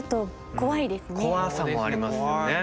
怖さもありますよね。